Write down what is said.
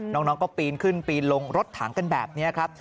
น้องก็ปีนขึ้นปีนลงรถถังกันแบบนี้ครับ